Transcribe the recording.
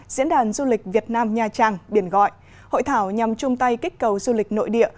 diễn đàn du lịch việt nam nha trang biển gọi hội thảo nhằm chung tay kích cầu du lịch nội địa